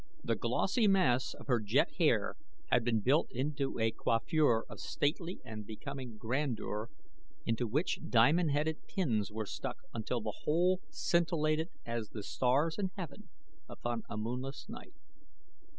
The glossy mass of her jet hair had been built into a coiffure of stately and becoming grandeur, into which diamond headed pins were stuck until the whole scintillated as the stars in heaven upon a moonless night.